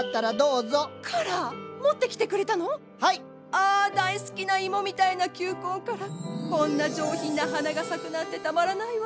あ大好きな芋みたいな球根からこんな上品な花が咲くなんてたまらないわ。